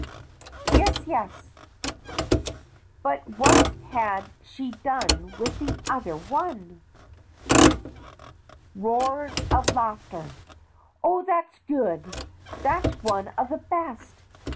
Yes, yes. But what had she done with the other one? (Roars of laughter.) Oh, that's good. That's one of the best.